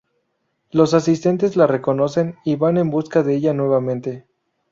Los asistentes la reconocen y van en busca de ella nuevamente.